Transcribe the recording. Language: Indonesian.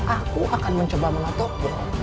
aku akan mencoba mengetukmu